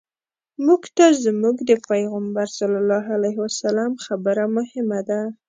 موږ ته زموږ د پیغمبر صلی الله علیه وسلم خبره مهمه ده.